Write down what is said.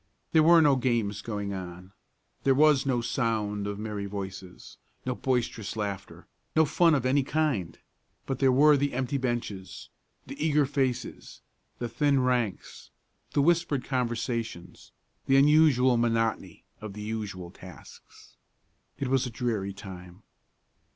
There were no games going on; there was no sound of merry voices, no boisterous laughter, no fun of any kind; but there were the empty benches, the eager faces, the thin ranks, the whispered conversations, the unusual monotony of the usual tasks. It was a dreary time.